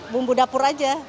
bumbu dapur aja